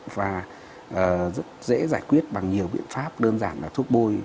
và rất dễ giải quyết bằng nhiều biện pháp đơn giản là thuốc bôi